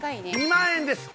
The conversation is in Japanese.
２万円です